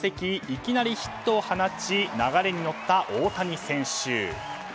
いきなりヒットを放ち流れに乗った大谷選手。